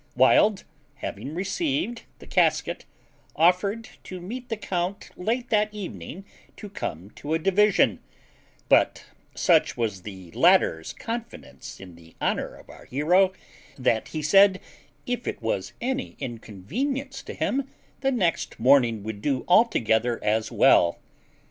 Wild, having received the casket, offered to meet the count late that evening to come to a division, but such was the latter's confidence in the honour of our hero, that he said, if it was any inconvenience to him, the next morning would do altogether as well.